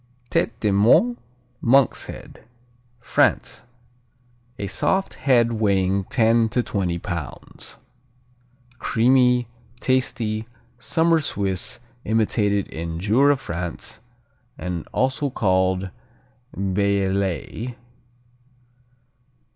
Tête de Moine, Monk's Head France A soft "head" weighing ten to twenty pounds. Creamy, tasty, summer Swiss, imitated in Jura, France, and also called Bellelay.